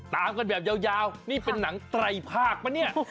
ตามกันแบบยาวนี่เป็นหนังไตรภาคปะเนี่ย